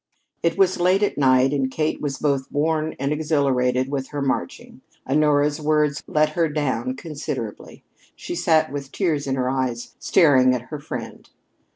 It was late at night, and Kate was both worn and exhilarated with her marching. Honora's words let her down considerably. She sat with tears in her eyes staring at her friend.